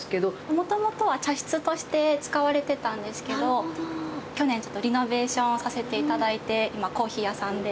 もともと茶室として使われてたんですけど去年ちょっとリノベーションさせていただいて今コーヒー屋さんで。